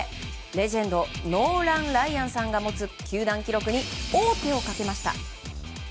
レジェンドノーラン・ライアンさんが持つ球団記録に王手をかけました。